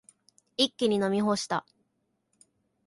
一気に飲み干した。